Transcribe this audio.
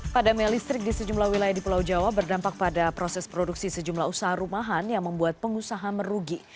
padamnya listrik di sejumlah wilayah di pulau jawa berdampak pada proses produksi sejumlah usaha rumahan yang membuat pengusaha merugi